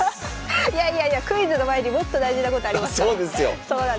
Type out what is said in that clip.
いやいやいやクイズの前にもっと大事なことありますから。